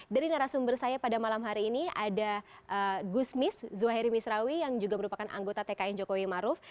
dari narasumber saya pada malam hari ini ada gusmis zuhairi misrawi yang juga merupakan anggota tkn jokowi maruf